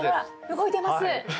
動いてます！